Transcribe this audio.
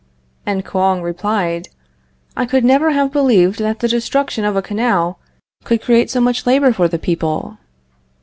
And Kouang replied: "I could never have believed that the destruction of a canal could create so much labor for the people."